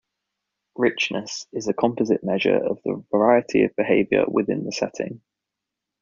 Richness is a composite measure of the variety of behavior within the setting.